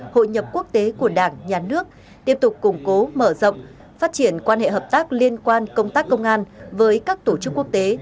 hội nhập quốc tế của đảng nhà nước tiếp tục củng cố mở rộng phát triển quan hệ hợp tác liên quan công tác công an với các tổ chức quốc tế